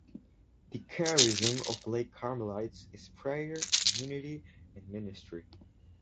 The charism of Lay Carmelites is prayer, community, and ministry.